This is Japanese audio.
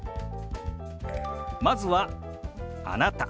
まずは「あなた」。